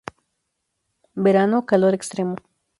Verano: Calor Extremo.